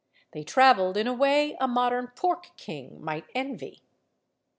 They traveled in a way a modern pork king might envy.